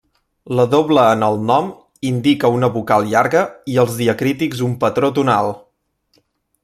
La doble en el nom indica una vocal llarga i els diacrítics un patró tonal.